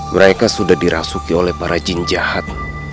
mereka sudah dirasuki oleh para jin jahat